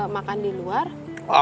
makan di luar